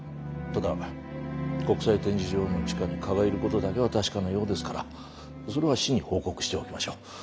ただ国際展示場の地下に蚊がいることだけは確かなようですからそれは市に報告しておきましょう。